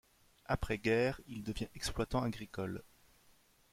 Après guerre, il devient exploitant agricole.